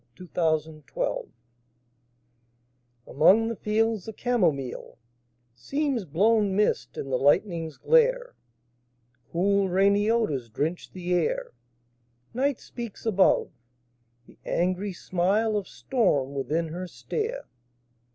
THE WINDOW ON THE HILL Among the fields the camomile Seems blown mist in the lightning's glare: Cool, rainy odors drench the air; Night speaks above; the angry smile Of storm within her stare.